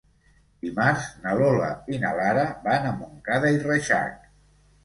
Dimarts na Lola i na Lara van a Montcada i Reixac.